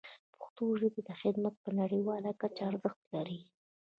پښتو ژبې ته خدمت په نړیواله کچه ارزښت لري.